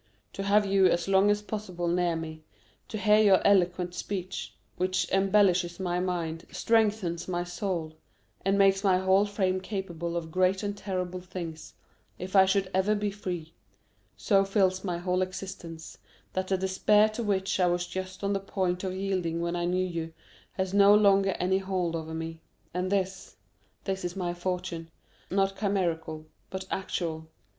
To have you as long as possible near me, to hear your eloquent speech,—which embellishes my mind, strengthens my soul, and makes my whole frame capable of great and terrible things, if I should ever be free,—so fills my whole existence, that the despair to which I was just on the point of yielding when I knew you, has no longer any hold over me; and this—this is my fortune—not chimerical, but actual.